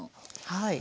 はい。